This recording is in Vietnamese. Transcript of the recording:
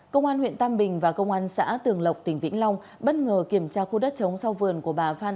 công an huyện tam bình và công an xã tường lộc tỉnh vĩnh long bất ngờ kiểm tra khu đất chống sau vườn của bà phan